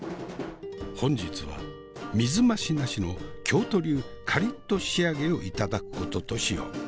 本日は水増しなしの京都流カリッと仕上げを頂くこととしよう。